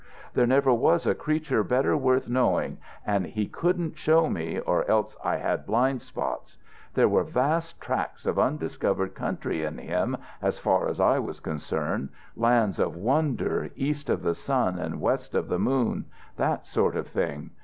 There never was a creature better worth knowing, and he couldn't show me, or else I had blind spots. There were vast tracts of undiscovered country in him, as far as I was concerned lands of wonder, east of the sun and west of the moon that sort of thing.